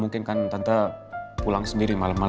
minta aku kasih perwassakan